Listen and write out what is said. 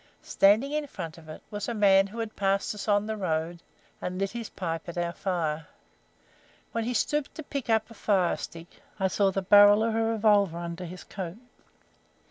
Standing in front of it was a man who had passed us on the road, and lit his pipe at our fire. When he stooped to pick up a firestick I saw the barrel of a revolver under his coat.